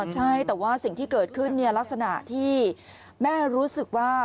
ใช่แต่ว่าสิ่งที่เกิดขึ้นลักษณะที่แม่รู้สึกว่า